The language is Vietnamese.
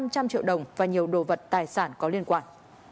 năm trăm linh triệu đồng và nhiều đồ vật tài sản có liên quan